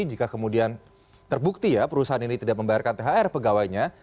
jika kemudian terbukti ya perusahaan ini tidak membayarkan thr pegawainya